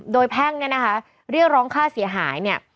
โดยแพ่งเนี่ยนะคะเรียกร้องค่าเสียหายเนี่ย